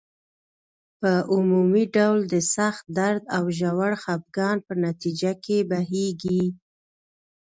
په عمومي ډول د سخت درد او ژور خپګان په نتیجه کې بهیږي.